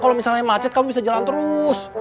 kalau misalnya macet kamu bisa jalan terus